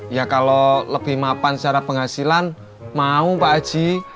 ya kalo lebih mapan secara penghasilan mau pak aji